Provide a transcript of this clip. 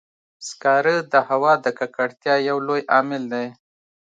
سکاره د هوا د ککړتیا یو لوی عامل دی.